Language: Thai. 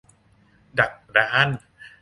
ดักดาน